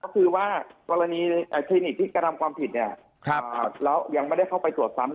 คือว่ากรดีคนิคกระทำกว่ามผิดเนี่ยแล้วยังไม่ได้เข้าไปตรวจคำ